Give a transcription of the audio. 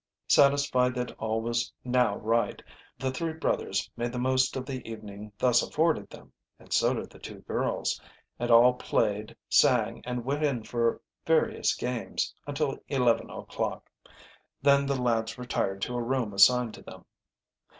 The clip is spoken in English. Satisfied that all was now right, the three brothers made the most of the evening thus afforded them, and so did the two girls, and all played, sang, and went in for various games until eleven o'clock. Then the lads retired to a room assigned to them.